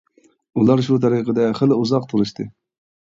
ئۇلار شۇ تەرىقىدە خېلى ئۇزاق تۇرۇشتى.